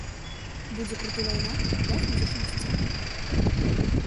Будзе круты лайн-ап і пяць музычных сцэн.